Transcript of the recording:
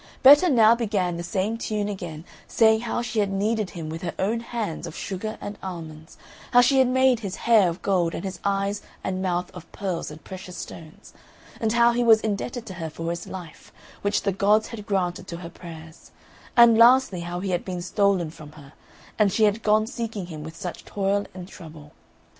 Betta now began the same tune again, saying how she had kneaded him with her own hands of sugar and almonds, how she had made his hair of gold, and his eyes and mouth of pearls and precious stones, and how he was indebted to her for his life, which the gods had granted to her prayers, and lastly how he had been stolen from her, and she had gone seeking him with such toil and trouble.